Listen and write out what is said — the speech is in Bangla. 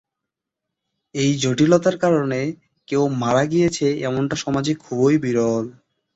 এই জটিলতার কারণে কেও মারা গিয়েছে, এমনটা সমাজে খুবই বিরল।